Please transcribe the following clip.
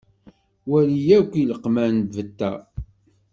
Wali akk ileqman beta.